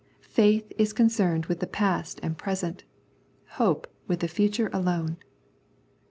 Faith is concerned with the past and present ; hope with the future alone.